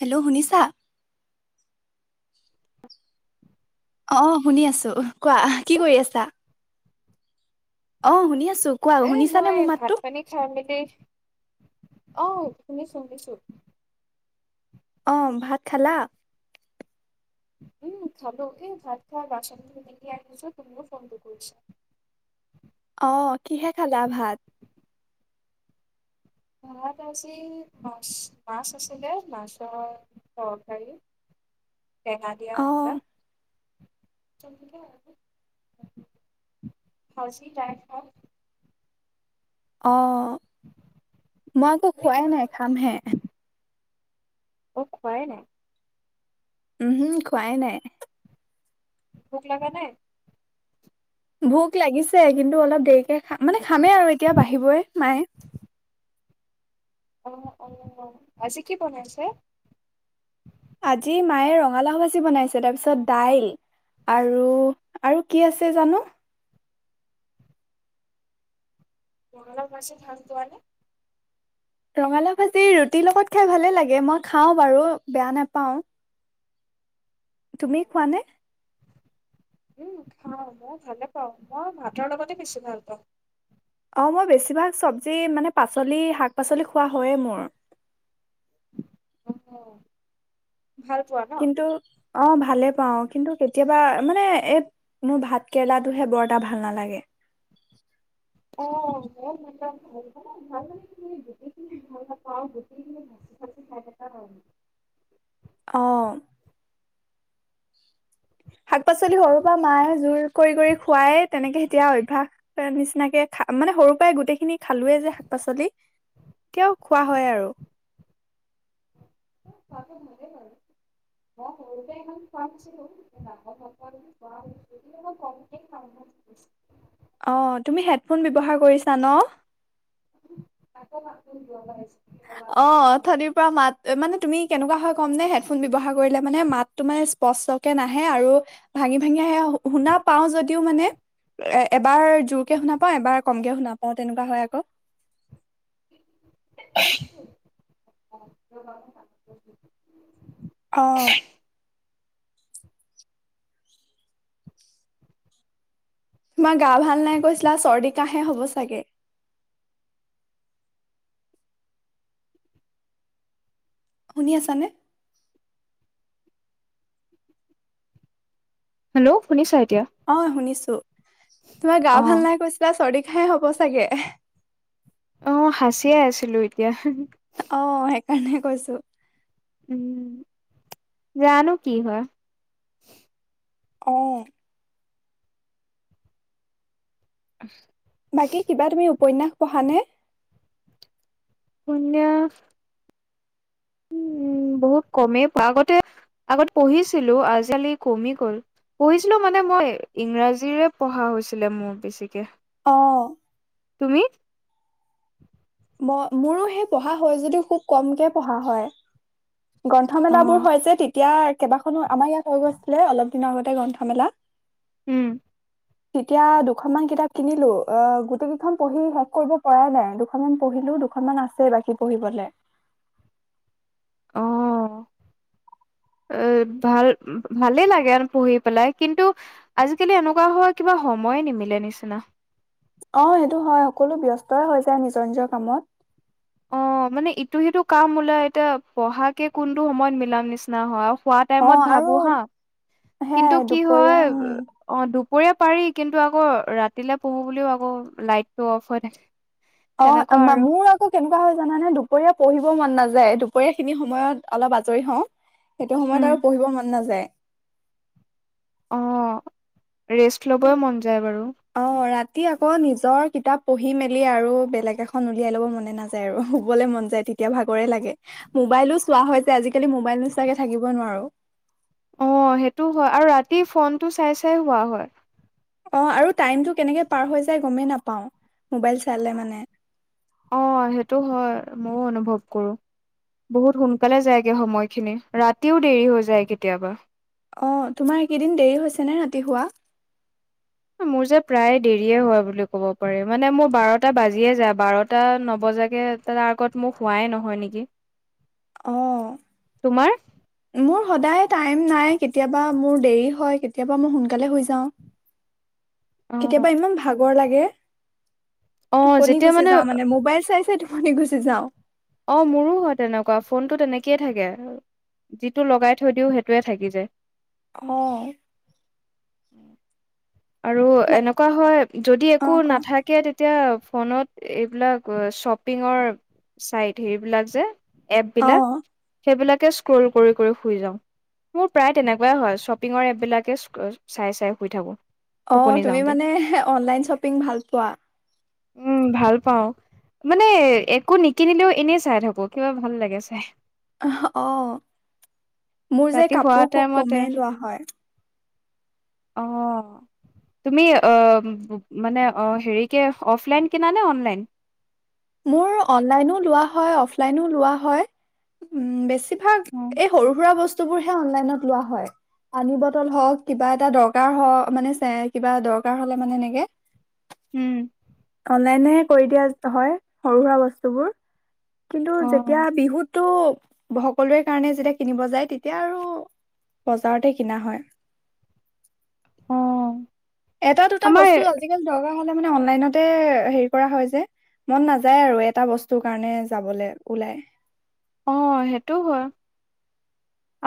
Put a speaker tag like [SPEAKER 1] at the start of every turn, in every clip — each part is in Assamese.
[SPEAKER 1] হেল্ল' শুনিছা? অ শুনি আছো কোৱা কি কৰি আছা। অ শুনি আছো। কোৱা
[SPEAKER 2] এ
[SPEAKER 1] শুনিছানে
[SPEAKER 2] মই
[SPEAKER 1] মোৰ
[SPEAKER 2] ভাত
[SPEAKER 1] মাতটো?
[SPEAKER 2] পানী খাই মেলি অ শুনিছো শুনিছো।
[SPEAKER 1] অ ভাত খালা?
[SPEAKER 2] উম খালো এ ভাত খোৱা বাচনঙিনি আ নিছ তুমিও ফোনটো কৰিছা।
[SPEAKER 1] অ কিহে খালা ভাত?
[SPEAKER 2] ভাত আজি মাছ মাছ আছিলে মাছৰ তৰকাৰী টেঙা দিয়া অ। [unintelligible]
[SPEAKER 1] আহ মই একো
[SPEAKER 2] তুমি কি
[SPEAKER 1] খুৱাই ন
[SPEAKER 2] খালা
[SPEAKER 1] খাম হে।
[SPEAKER 2] অ খোৱাই নাই।
[SPEAKER 1] উমহু খোৱাই নাই।
[SPEAKER 2] ভোক লগা নাই
[SPEAKER 1] ভোক লাগিছে কিন্তু অলপ দেৰিকে খাম। মানে খামেই আৰু এতিয়া বাঢ়িবই মায়ে।
[SPEAKER 2] অ অ আজি কি বনাইছে?
[SPEAKER 1] আজি মায়ে ৰঙালাও ভাজি বনাইছে তাৰপিছত দাইল আৰু আৰু কি আছে জানো।
[SPEAKER 2] ৰঙালাউ ভাঁজি ভাল পোৱানে?
[SPEAKER 1] ৰঙালাও ভাজি ৰুটিৰ লগত খাই ভালে লাগে মই খাওঁ বাৰু বেয়া নাপাওঁ। তুমি খোবানে?
[SPEAKER 2] উম খাও মই ভালে পাওঁ মই ভাতৰ লগতে বেছি ভাল পাওঁ।
[SPEAKER 1] অ মই বেছিভাগ চব্জি মানে পাচলি শাক পাচলি। খোৱা হয়েই মোৰ।
[SPEAKER 2] অ। ভাল পোৱা ন।
[SPEAKER 1] কিন্তু অ ভালে পাওঁ কিন্তু কেতিয়াবা মানে এই মোৰ ভাত কেৰেলাটোহে বৰ এটা ভাল নালাগে।
[SPEAKER 2] অ ময়ো ভাল পাও। ভাল মানে কি গোটিখিনি ভাল নাপাওঁ আৰু গোটিখিনি ভাঁজি ভাঁজি খাই থকা হয় আৰু
[SPEAKER 1] অ শাক পাচলি সৰুৰ পৰা মায়ে জোৰ কৰি কৰি খুৱাই তেনেকে তেতিয়া অভ্যাস নিচিনাকে খা মানে সৰু পৰাই গোটেইখিনি খালোৱেই যে শাক পাচলি এতিয়াও খোৱা হয় ।আৰু
[SPEAKER 2] খোৱাটো হয়। [inaudible]
[SPEAKER 1] অ তুমি হেডফোন ব্যৱহাৰ কৰিছা ন।
[SPEAKER 2] [unintelligible]
[SPEAKER 1] অ অঠনিৰ পৰা মাত মানে তুমি কেনেকুৱা হয়। কমনে। ফোন ব্যৱহাৰ কৰিলে মানে মাতটো মানে স্পষ্ট। নাহে আৰু ভাঙি ভাঙি। সয়ে শুনা পাওঁ যদিও মানে এ এবাৰ জোৰকে শুনা পা এবাৰ কমকে শুনা পাওঁ। অ তেনেকুৱা হয় আকৌ।
[SPEAKER 2] [unintelligible]
[SPEAKER 1] অ। তোমাৰ গা ভাল নাই কৈছিলা চৰ্দিক কাহে হ'ব চাগে শুনি আছানে
[SPEAKER 2] হেল্' শুনিছ
[SPEAKER 1] অ শুনিছো ত তোমাৰ গা
[SPEAKER 2] অ
[SPEAKER 1] ভাল নাই কৈছিলা শৰিক খাই হ'ব চাগে
[SPEAKER 2] অ সাঁচিয়ে আছিলো এতিয়া
[SPEAKER 1] অ সেইকাৰণে কৈছোঁ
[SPEAKER 2] উম জানো কি হয়
[SPEAKER 1] অ
[SPEAKER 2] [unintelligible]
[SPEAKER 1] বাকী কিবা তুমি উপন্যাস পঢ়ানে
[SPEAKER 2] উপন্যাস উম বহুত কমেই আগতে আগতে পঢ়িছিলো আজিকালি কমি গল পঢ়িছিলো মানে মই ইংৰাজীৰে পঢ়া হৈছিলে মোৰ বেছিকে
[SPEAKER 1] অঁ
[SPEAKER 2] তুমি
[SPEAKER 1] ম মোৰো সেই পঢ়া হয় যদিও খুব কমকে পঢ়া হয় গ্ৰন্থমেলাবোৰ যে তেতিয়া কেইবাখনো আমাৰ ইয়াত হৈ গৈছিলে অলপ দিনৰ আগতে গ্ৰন্থমেলা
[SPEAKER 2] উম
[SPEAKER 1] তেতিয়া দুখনমান কিতাপ কিনিলো অ গোটেই কেইখন পঢ়ি শেষ কৰিব পৰাই নাই দুখনমান পঢ়িলো দুখনমান আছেই বাকী পঢ়িবলে
[SPEAKER 2] অ এ ভাল ভালেই লাগে পঢ়ি পেলাই কিন্তু আজিকালি এনেকুৱা হোৱা কিবা সময় নিমিলে নিচিনা
[SPEAKER 1] অ সেইটো হয় সকলো ব্যস্ত হৈ যায় নিজৰ নিজৰ কামত
[SPEAKER 2] অ মানে ইটো সিটো কাম ওলাই এতিয়া পঢ়াাকে কোনটো সময়ত মিলাম নিচিনা হয় খোৱা
[SPEAKER 1] অ
[SPEAKER 2] টাইমত
[SPEAKER 1] আৰু
[SPEAKER 2] ভাবো হা কিন্তু
[SPEAKER 1] সেয়াই
[SPEAKER 2] কি
[SPEAKER 1] দুপৰীয়া
[SPEAKER 2] হয়
[SPEAKER 1] উম
[SPEAKER 2] অ দু পৰি পাৰি কিন্তু আকৌ ৰাতিলে পঢ়ো বুলিও আকৌ লাইটটো অফ হৈ থাকে
[SPEAKER 1] অ
[SPEAKER 2] তেনেকুৱা আৰু
[SPEAKER 1] মোৰ আকৌ কেনেকুৱা হয় জানানে দুপৰীয়া পঢ়িব মন নাযায় দুপৰীয়া খিনি সময়ত অলপ আজৰি হওঁ সেইটো
[SPEAKER 2] উম।
[SPEAKER 1] সময়ত আৰু পঢ়িব মন নাযায়
[SPEAKER 2] আহ ৰেষ্ট ল'বই মন যায় বাৰু
[SPEAKER 1] টি আকৌ নিজৰ কিতাপ পঢ়ি মেলি আৰু বেলেগ এখন উলিয়াই লব মনে নাযায় আৰু শুবলৈ মন যায় তেতিয়া ভাগৰে লাগে মোবাইলো চোৱা হৈ যায় আজিকালি মোবাইল নোচোৱাকে থাকিব নোৱাৰো
[SPEAKER 2] অ সেইটো হয় আৰু ৰাতি ফোনটো চাই চাই শুৱা হয়
[SPEAKER 1] ‍ আৰু টাইম টো কেনেকে পাৰ হৈ যায় গমে নাপাওঁ মোবাইল চালে মানে
[SPEAKER 2] অ সেইটো হয় ময়ও অনুভৱ কৰো বহুত সোনকালে যায়গে সময়খিনি ৰাতিও দেৰি হৈ যায় কেতিয়াবা
[SPEAKER 1] অ তোমাৰ এইকেইদিন দেৰি হৈছে নে ৰাতি শুৱা
[SPEAKER 2] মোৰ যে প্ৰায় দেৰিয়ে হোৱা বুলি ক'ব পাৰি মানে মোৰ বাৰটা বাজিয়ে যায় বাৰটা নবজাকে তাৰ আগত মোক শুৱাই নহয় নেকি
[SPEAKER 1] অঁ
[SPEAKER 2] আমাৰ
[SPEAKER 1] মোৰ সদায়েই টাইম নাই কেতিয়াবা মোৰ দেৰি হয় কেতিয়াবা মই সোনালে শুই যাওঁ
[SPEAKER 2] অ'
[SPEAKER 1] কেতিয়াবা ইমান ভাল বৰ লাগে
[SPEAKER 2] অ'
[SPEAKER 1] টোপনি
[SPEAKER 2] যেতিয়া
[SPEAKER 1] গুচি যাওঁ মানে মোবাইল চাইছে ত নি গুচি যাওঁ
[SPEAKER 2] অ মোৰো হয় তেনেকুৱা ফোনটো তেনেকয়ে থাকে যিটো লগাই থৈ দিওঁ সেইটোৱে থাকি যায়
[SPEAKER 1] অ
[SPEAKER 2] উম আৰু
[SPEAKER 1] বা-
[SPEAKER 2] এনেকুৱা হয় যদি
[SPEAKER 1] অ
[SPEAKER 2] একো
[SPEAKER 1] কোৱা
[SPEAKER 2] নাথাকে তেতিয়া ফোনত এইবিলাক শ্বপিঙৰ চাইট সেইবিলাকে যে এপ বিলাক
[SPEAKER 1] অ
[SPEAKER 2] সেইবিলাক স্কৰল কৰি কৰি শুই যাও মোৰ প্ৰায় তেনেকুৱাই হয় শ্বপিঙৰ এপ বিলাকে চাই চাই শুই থাকো
[SPEAKER 1] অ তুমি মানে অনলাইন শ্বপিং ভাল পোৱা
[SPEAKER 2] উম ভাল পাও মানে একো নিকিনিলেও এনেই চাই থাকো কিবা ভাল লাগে চাই
[SPEAKER 1] অ মোৰ যে
[SPEAKER 2] ৰাতি
[SPEAKER 1] কাপোৰ খুব কমেই লোৱা হয়
[SPEAKER 2] আহ তুমি মানে হেৰি কে অফলাইন কিনা নে অনলাইন
[SPEAKER 1] মোৰ অনলাইনও লোৱা হয় অফলাইন ও লোৱা হয় বেছিকে এই সৰু সুৰা বস্তু তুমি সেই ইমানো দিয়া হয় পানী বটল হয় কিবা এটা দৰকাৰ হক দৰকাৰ হ'লে মানে এনেকে
[SPEAKER 2] উম
[SPEAKER 1] অনলাইনেহে কৰি দিয়া হয় সৰু সুৰা বস্তুবোৰ কিন্তু যেতিয়া
[SPEAKER 2] অ',
[SPEAKER 1] বিহুত সকলোৰে কাৰণে যেতিয়া কিনিব যায় তেতিয়া আৰু বজাৰতে কিনা হয়
[SPEAKER 2] অ',
[SPEAKER 1] এটা দুটা
[SPEAKER 2] আমাৰ
[SPEAKER 1] বস্তু আজিকালি দৰা দৰকাৰ হ'লে অনলাইনতে সেইকৰা হয় যে মন নাযায় এটা বস্তৰ কাৰণে যাবলৈ উলাই
[SPEAKER 2] অ সেইটোও হয়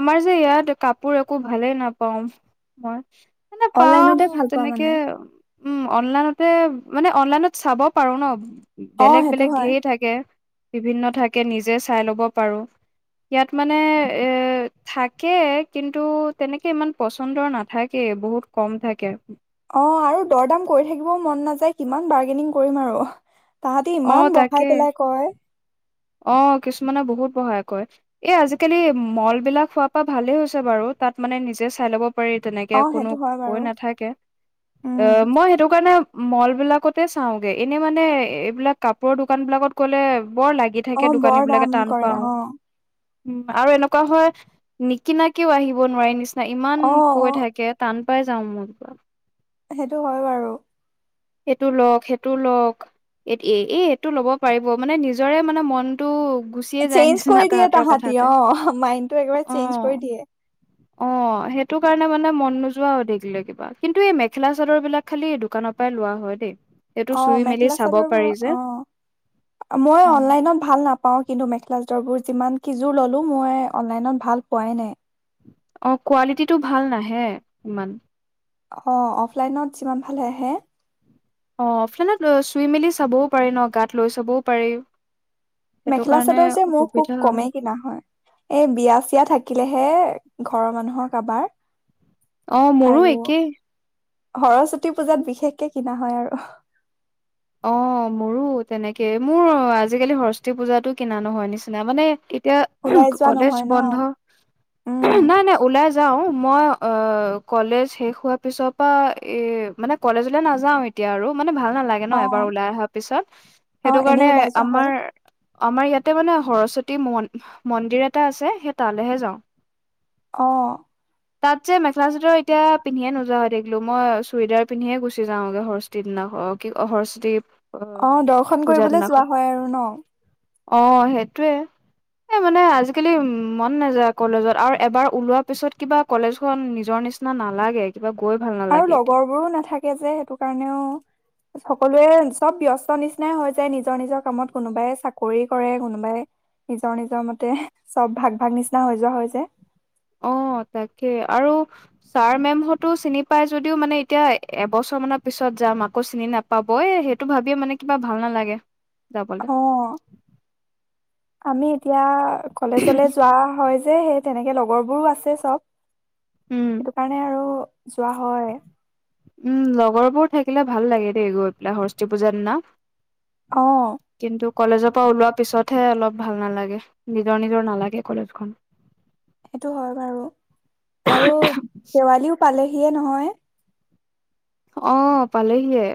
[SPEAKER 2] আমাৰ যে ইয়াত কাপোৰ একো ভালেই নাপাওঁ মই মানে পাও
[SPEAKER 1] অনলাইনতে ভাল পোৱা
[SPEAKER 2] তেনেকে
[SPEAKER 1] মানে
[SPEAKER 2] উম অনলাইনত মানে অনলাইনত চাব পাৰো ন
[SPEAKER 1] অ
[SPEAKER 2] বেলেগ
[SPEAKER 1] সেইটো
[SPEAKER 2] বেলেগ
[SPEAKER 1] হয়
[SPEAKER 2] ধঢেৰ থাকে বিভিন্ন থাকে নিজে চাই ল'ব পাৰো ইয়াত মানে এ থাকে কিন্তু তেনেকে ইমান পচন্দৰ নাথাকে বহুত কম থাকে
[SPEAKER 1] অ আৰু দৰ দাম কৰি থাকিব মন নাযায় কিমান বাৰ্গেনিং কৰিম আৰু তাহাতি ইমান বহাই পেলাই কয়
[SPEAKER 2] অহ কিছুমানে বহুত বঢ়াই কয় । এই আজিকালি মল বিলাক হোৱাৰ পৰা ভালে হৈছে বাৰু তাত মানে নিজে চাই ল'ব তেনেকে
[SPEAKER 1] অ
[SPEAKER 2] কোনো
[SPEAKER 1] সেইটো হয়
[SPEAKER 2] কৈ
[SPEAKER 1] বাৰু
[SPEAKER 2] নাথাকে
[SPEAKER 1] উম
[SPEAKER 2] অহ মই সেইটো কাৰণে মল বিলাকতে চাওগে এনে মানে এইবিলাক কাপোৰৰ দোকান বিলাকত গ'লে বৰ লা
[SPEAKER 1] অহ বৰ দাম কৰে অহ
[SPEAKER 2] উম আৰু এনেকুৱা হয় নিকিনাকেও আহিব নোৱাৰি নিচ্চিনা হয় ইমান
[SPEAKER 1] অ
[SPEAKER 2] কৈ
[SPEAKER 1] অ
[SPEAKER 2] থাকে কাম কৈ যাও [unintelligible]
[SPEAKER 1] সেইটো হয় বাৰু
[SPEAKER 2] সেইটো লওক সেইটো লওক এ এই এইটো ল'ব পাৰিব মানে নিজৰে মানে মনটো গুচিয়ে যায়
[SPEAKER 1] চেঞ্জ
[SPEAKER 2] নিচিনা
[SPEAKER 1] কৰি দিয়ে
[SPEAKER 2] তাহাঁতৰ
[SPEAKER 1] তাহাঁতি
[SPEAKER 2] কথাতে
[SPEAKER 1] অ মাইণ্ডতটো একবাৰে চেঞ্জ কৰি দিয়ে
[SPEAKER 2] অহ সেইটো কাৰণে মানে মন নোযোৱা হৈ থাকিলে কিবা কিন্তু এই মেখেলা চাদৰ বিলাক খালি দোকানত লোৱা হয় দেই এইটো
[SPEAKER 1] অহ
[SPEAKER 2] চুই মেলি
[SPEAKER 1] মেখেলা
[SPEAKER 2] চাব পাৰি
[SPEAKER 1] চাদৰবোৰ
[SPEAKER 2] যে
[SPEAKER 1] অহ মই
[SPEAKER 2] উম।
[SPEAKER 1] অনলাইনত ভাল নাপাও কিন্তু মেখেলা চাদ বষ্টৰবোৰ যিমান কিযোৰ ল'লোঁ মই অনলাইনত ভাল পোৱাই নাই।
[SPEAKER 2] অহ কোৱালিটিটো ভাল নাহে ইমান।
[SPEAKER 1] অহ অফলাইনত যিমান ভালে আহে
[SPEAKER 2] অফলানত চুই মেলি চাবও পাৰি ন গাত লৈ চাবও পাৰি। সেইটো
[SPEAKER 1] মেখেলা
[SPEAKER 2] কাৰণে
[SPEAKER 1] চাদৰ যে মোৰ খুব
[SPEAKER 2] অসুবিধা হয়
[SPEAKER 1] কমেই কিনা হয় এই বিয়া চিয়া থাকিলেহে ঘৰৰ মানুহৰ কাবাৰ
[SPEAKER 2] অহ মোৰো
[SPEAKER 1] আৰু
[SPEAKER 2] একেই
[SPEAKER 1] সৰস্বতী পূজাত বিশেষকৈ কিনা হৈ আৰু।
[SPEAKER 2] অহ মোৰো তেনেকে মোৰ আজিকালি সৰস্বতী পূজাতো কিনা নহয় নিচিনা মানে এতিয়া
[SPEAKER 1] ওলাই যোৱা
[SPEAKER 2] কলেজ
[SPEAKER 1] নহয় ন
[SPEAKER 2] বন্ধ
[SPEAKER 1] উম
[SPEAKER 2] নাই নাই ওলাই যাও মই অহ কলেজ শেষ হোৱাৰ পিছৰ পৰা এহ মানে কলেজলে নাযাও এতিয়া আৰু মানে ভাল নালাগে ন।
[SPEAKER 1] অ
[SPEAKER 2] ওলাই হোৱাৰ পিছত
[SPEAKER 1] অ এনেই
[SPEAKER 2] সেইটোকাৰণে
[SPEAKER 1] ওলাই যোৱা হয়
[SPEAKER 2] আমাৰ আমাৰ ইয়াত ইয়াতে মানে সৰস্বতী মন্দিৰ এটা আছে সেই তালৈহে যাওঁ।
[SPEAKER 1] অহ
[SPEAKER 2] তাত যে মেখেলা চাদৰ এতিয়া পিন্ধিয়ে নোযোৱা হৈ থাকিলো মই চুইদাৰ পিন্ধিয়ে গুচি যাওঁগৈ সৰস্বতীৰ দিনা অ কি সৰস্বতী [unintelligible]
[SPEAKER 1] অহ দৰ্শন কৰিবলৈ যোৱা হয় আৰু ন
[SPEAKER 2] অহ সেইটোৱে এ মানে আজিকালি মন নাযায় কলেজত আৰু এবাৰ ওলোৱা পিছত কিবা কলেজখন নিজৰ নিচিনা নালাগে কিবা গৈ ভাল
[SPEAKER 1] আৰু
[SPEAKER 2] নালাগে এতিয়া
[SPEAKER 1] লগৰবোৰো নাথাকে যে সেইটো কাৰণেও সকলোৱে চব ব্যস্ত নিচিনাই হৈ যায় নিজৰ নিজৰ কামত কোনোবাই চাকৰি কৰে কোনোবাই নিজৰ নিজৰ মতে সব ভাগ ভাগ নিচিনা হৈ যোৱা হৈ যায়।
[SPEAKER 2] অহ তাকেই আৰু ছাৰ মেমহতো চিনি পাই যদিও মানে এতিয়া এবছৰ মানৰ পিছত যাম আকৌ চিনি নাপাবই সেইটো ভাবিয়ে মানে কিবা ভাল নালাগে। যাবলৈ
[SPEAKER 1] অ আমি এতিয়া কলেজলে যোৱা হয় সে সেই তেনেকে লগৰ বোৰো আছে চব
[SPEAKER 2] উম
[SPEAKER 1] সেইটো কাৰণে আৰু যোৱা হয়
[SPEAKER 2] উম লগৰবোৰ থাকিলে ভাল লাগে দেই গৈ পেলাই সৰস্বতী পূজাৰ দিনা
[SPEAKER 1] অ
[SPEAKER 2] কিন্তু কলেজৰ পৰা ওলোৱা পিছতহে অলপ ভাল নেলাগে নিজৰ নিজৰ নেলাগে কলেজখন
[SPEAKER 1] সেইটো হয় বাৰু আৰু দেৱালীও পালেহি হিয়ে নহয়
[SPEAKER 2] অ পালেহিয়ে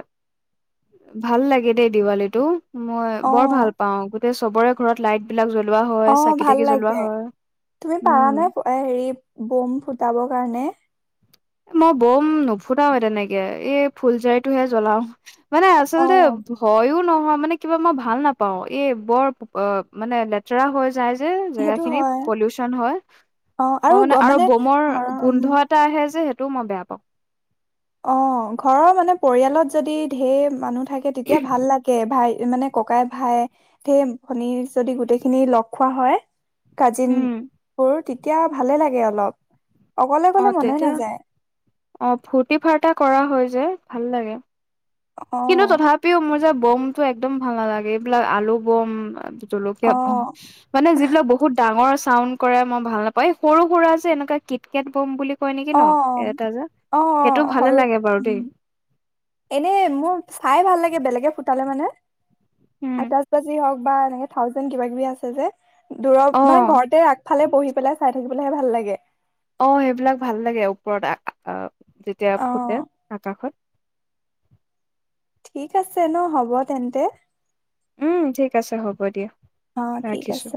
[SPEAKER 2] ভাল লাগে দেই দেৱালীটো মই
[SPEAKER 1] অ
[SPEAKER 2] বৰ ভাল পাওঁ চবৰে ঘৰত লাইট বিলাক জ্বলে
[SPEAKER 1] অ ভাল লাগে তুমি পাৰা
[SPEAKER 2] উম
[SPEAKER 1] নে হেৰি বম ফুটাবৰ কাৰণে
[SPEAKER 2] মই বম নুফুটাৱে তেনেকে এই ফুলজাৰিটোহে জ্বলাও মানে
[SPEAKER 1] অ
[SPEAKER 2] আচলতে ভয়ও নহ মানে কিবা মই ভাল নাপাওঁ এই বৰ মানে লেতেৰা হয় যাই যে জেগা
[SPEAKER 1] সেইটো
[SPEAKER 2] খিনি
[SPEAKER 1] হয়
[SPEAKER 2] পলিউচন হয়
[SPEAKER 1] অ
[SPEAKER 2] মই মানে
[SPEAKER 1] গ-
[SPEAKER 2] আৰু বমৰ
[SPEAKER 1] ঘৰৰ উম
[SPEAKER 2] গোন্ধ এটা আহে যে টো মই বেয়া পাওঁ
[SPEAKER 1] অ ঘৰৰ মানে পৰিয়ালত যদি ঢেৰ মানুহ থাকে তেতিয়া ভাল লাগে। ভাই মানে ককাই ভাই, সেই ভনী যদি গোটেই খিনি লগ খোৱা হয়। কাজিন
[SPEAKER 2] উম
[SPEAKER 1] বোৰ তেতিয়া ভালে লাগে আৰু। ব্লগ [unintelligible] অকলে
[SPEAKER 2] অ
[SPEAKER 1] অকলে মনে
[SPEAKER 2] তেতিয়া
[SPEAKER 1] নেযায়।
[SPEAKER 2] অ ফুৰ্তি ফাৰ্তা কৰা হয় যে ভাল লাগে। কিন্তু
[SPEAKER 1] অ',
[SPEAKER 2] তথাপিও মোৰ যে ব'ম টো একদম ভাল নালাগে, এইবিলাক আলু বম জলকীয়া ভ
[SPEAKER 1] অ',
[SPEAKER 2] মানে যিবিলাক বহুত ডাঙৰ চাউণ্ড কৰাই মই ভাল নাপায়। সৰু সুৰা যে এনেকুৱা কিত-কেট বম বুলি কয় নেকি ন?
[SPEAKER 1] অ',
[SPEAKER 2] এ-এটা যে,
[SPEAKER 1] অ',
[SPEAKER 2] সেইটো
[SPEAKER 1] অ',
[SPEAKER 2] ভালে
[SPEAKER 1] সৰু
[SPEAKER 2] লাগে বাৰু দেই।
[SPEAKER 1] উম, এনে মোৰ চাই ভাল লাগে বেলেগে ফুটালে মানে
[SPEAKER 2] উম
[SPEAKER 1] আতাছ বাজি হক [unintelligible] বা এনেকে থাউজেনড কিবা কিবি আছে যে? দূৰ
[SPEAKER 2] অ
[SPEAKER 1] মানে ঘৰতে আগফালে পঢহি পেলাই চাই পেলহে ভাল লাগে।
[SPEAKER 2] অ সেইবিলাক ভাল লাগে, ওপৰত আহ যেতিয়া ফুটে,
[SPEAKER 1] অ',
[SPEAKER 2] আকাশত।
[SPEAKER 1] ঠিক আছে ন, হ'ব তেন্তে?
[SPEAKER 2] উম ঠিক আছে হ'ব দিয়া,
[SPEAKER 1] অ', ঠিক
[SPEAKER 2] ৰাখিছো।
[SPEAKER 1] আছে।